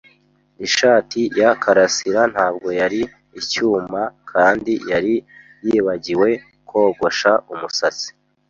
Ishati ya karasira ntabwo yari icyuma kandi yari yibagiwe kogosha umusatsi.